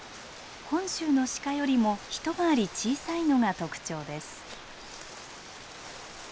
本州のシカよりも一回り小さいのが特徴です。